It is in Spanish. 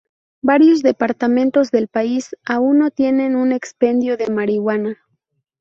Varios departamentos del país aun no tienen un expendio de marihuana.